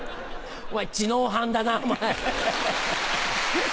知能犯だなお前。